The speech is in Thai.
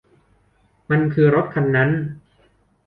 มันคือรถคันนั้น